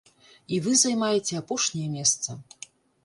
І вы займаеце апошняе месца.